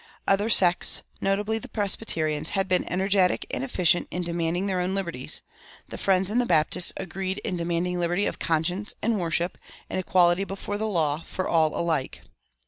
Other sects, notably the Presbyterians, had been energetic and efficient in demanding their own liberties; the Friends and the Baptists agreed in demanding liberty of conscience and worship, and equality before the law, for all alike.